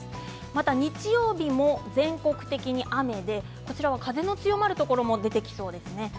また日曜日も全国的に雨で風の強まるところも出てきそうですね。